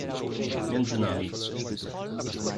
między nami.